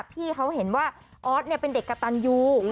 พี่เขาเห็นว่าออสเป็นเด็กกระตันยู